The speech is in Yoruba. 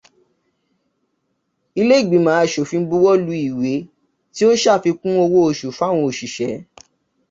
Ilé ìgbìmọ̀ aṣòfin bọwọ́ lu ìwé tí ó ṣàfikún owó oṣù fáwọn òṣìsẹ́.